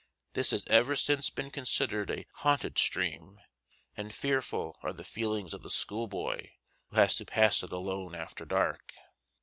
This has ever since been considered a haunted stream, and fearful are the feelings of the schoolboy who has to pass it alone after dark.